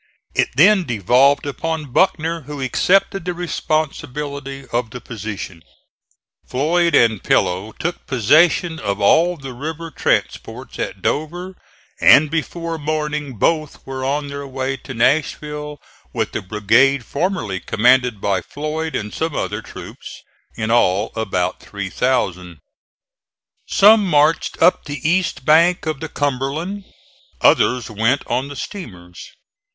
It then devolved upon Buckner, who accepted the responsibility of the position. Floyd and Pillow took possession of all the river transports at Dover and before morning both were on their way to Nashville, with the brigade formerly commanded by Floyd and some other troops, in all about 3,000. Some marched up the east bank of the Cumberland; others went on the steamers.